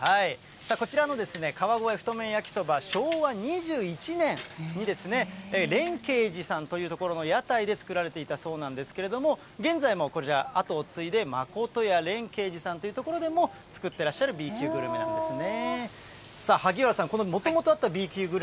こちらの川越太麺焼きそば、昭和２１年に蓮馨寺さんという所の屋台で作られていたそうなんですけれども、現在も跡を継いで、まことや蓮馨寺さんという所でも作ってらっしゃるＢ級グルメなんですね。